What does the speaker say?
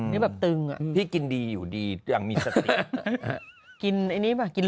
มันเป็นกรรมภาณ